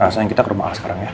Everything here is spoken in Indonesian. sayang kita ke rumah a sekarang ya